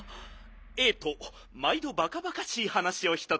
ええとまいどバカバカしいはなしをひとつ。